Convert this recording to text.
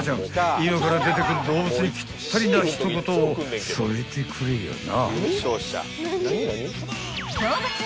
今から出てくる動物にぴったりな一言を添えてくれよな］